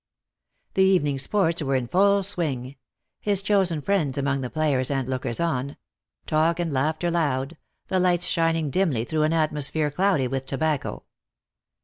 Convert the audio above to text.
The evening sports were in full swing; his chosen friends among the players and lookers on — talk and laughter loud, the lights shining dimly through an atmosphere cloudy with tobacco.